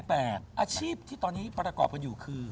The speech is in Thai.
คุณแปดอาชีพที่ตอนนี้ปรากฎกันอยู่คือ